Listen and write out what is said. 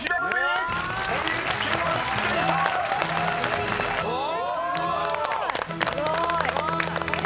すごーい。